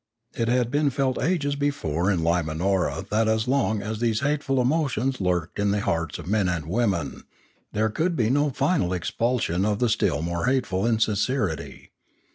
It had been felt ages before in Li man or a that as long as these hateful emotions lurked in the hearts of men and women, there could be no final expulsion of the still more hateful insincerity.